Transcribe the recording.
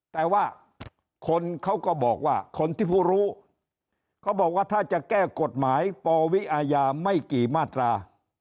แต่ว่าคนเขาก็บอกว่าคนที่ผู้รู้เขาบอกว่าถ้าจะแก้กฎหมายปวิอาญาไม่กี่มาตรา